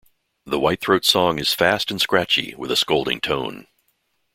The whitethroat's song is fast and scratchy, with a scolding tone.